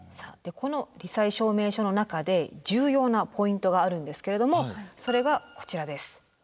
このり災証明書の中で重要なポイントがあるんですけれどもそれがこちらです。